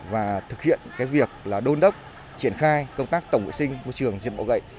và thực hiện cái việc là đôn đốc triển khai công tác tổng vệ sinh môi trường diện bọ gậy